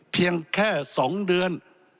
เพียงแค่๒เดือน